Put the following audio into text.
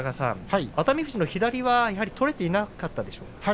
熱海富士の左は取れていなかったでしょうか。